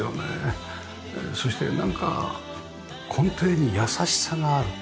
そしてなんか根底に優しさがある。